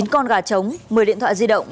bốn con gà trống một mươi điện thoại di động